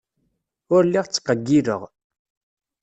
Ur lliɣ ttqeyyileɣ.